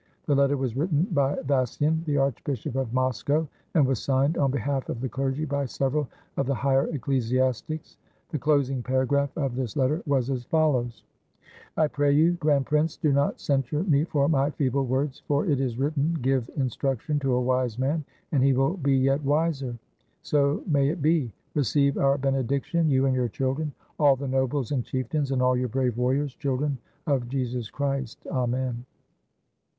The letter was written by Vassian, the Archbishop of Moscow, and was signed, on behalf of the clergy, by several of the higher ecclesiastics. ... The closing paragraph of this letter was as follows: — "I pray you, grand prince, do not censure me for my feeble words, for it is written, * Give instruction to a wise man, and he will be yet wiser.' So may it be. Receive our benediction, you and your children, all the nobles and chieftains, and all your brave warriors, children of Jesus Christ. Amen."